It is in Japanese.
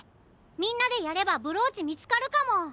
みんなでやればブローチみつかるかも！